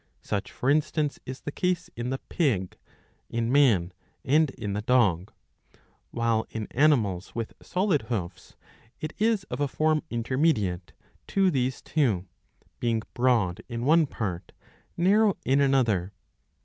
Such for instance, is the case in the pig,^ in man, and in the dog. While in animals with • solid hoofs it is of a form intermediate to these two, being' broad in one part, narrow in another.